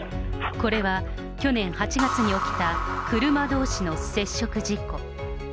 これは去年８月に起きた車どうしの接触事故。